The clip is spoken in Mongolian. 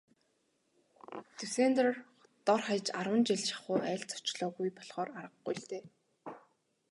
Дюссандер дор хаяж арван жил шахуу айлд зочлоогүй болохоор аргагүй л дээ.